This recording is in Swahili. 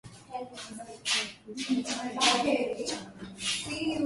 Kwa kawaida Wakristo hawakulazimishwa kuacha imani yao